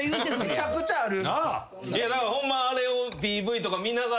めちゃくちゃある。